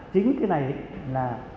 chính cái này là